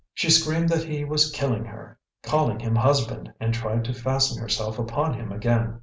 She screamed that he was killing her, calling him "husband," and tried to fasten herself upon him again.